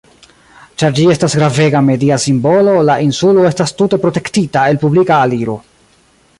Ĉar ĝi estas gravega media simbolo, la insulo estas tute protektita el publika aliro.